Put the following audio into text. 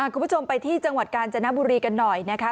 คุณผู้ชมไปที่จังหวัดกาญจนบุรีกันหน่อยนะคะ